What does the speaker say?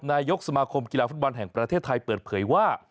นายกสมาคมกีฬาฟุตบอลแห่งประเทศไทยเปิดเผยว่า